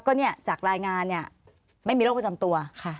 ก็เนี่ยจากรายงานเนี่ยไม่มีโรคประจำตัว